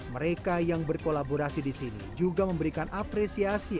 mereka yang berkolaborasi di sini juga memberikan apresiasi